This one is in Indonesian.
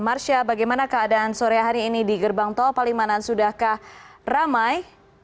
marsha bagaimana keadaan sore hari ini di gerbang tol palimanan sudahkah ramai